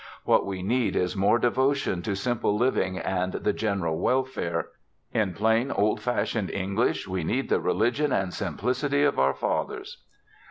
What we need is more devotion to simple living and the general welfare. In plain old fashioned English we need the religion and the simplicity of our fathers."